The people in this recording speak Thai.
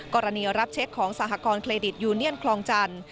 รับเช็คของสหกรณเครดิตยูเนียนคลองจันทร์